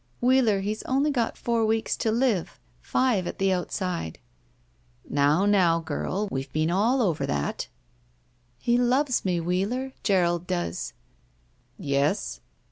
"Wheeler, he's only got four weeks to live. Five at the outside." "Now, now, girl; we've been all over that." 92 BACK PAY He loves me, Wheeler, Gerald does/* Tes?"